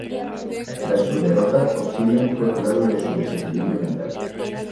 Tras su derrota, Obsidian fue curado de su desequilibrio mental.